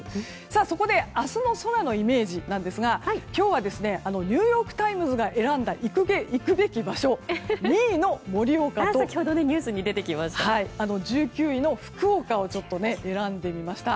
そこで明日の空のイメージなんですが今日はニューヨーク・タイムズが選んだ行くべき場所２位の盛岡と１９位の福岡を選んでみました。